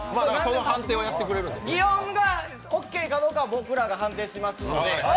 擬音がオーケーかどうかは僕らが判定します。